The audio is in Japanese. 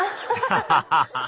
ハハハハ